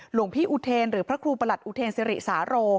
หลวงพี่อุเทนหรือพระครูประหลัดอุเทนสิริสาโร